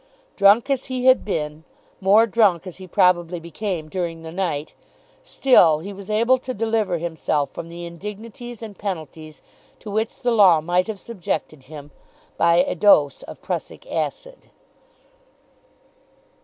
Drunk as he had been, more drunk as he probably became during the night, still he was able to deliver himself from the indignities and penalties to which the law might have subjected him by a dose of prussic acid.